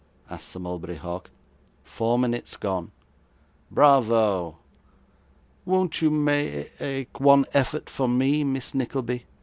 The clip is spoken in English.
asked Sir Mulberry Hawk. 'Four minutes gone.' 'Bravo!' 'Won't you ma ake one effort for me, Miss Nickleby?